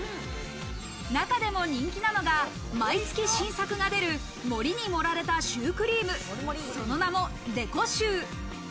中でも人気なのが、毎月、新作が出る、盛りに盛られたシュークリーム、その名もデコシュー。